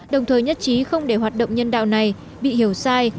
đồng thời nhất trí không để hoạt động nhân đạo này bị hiểu sai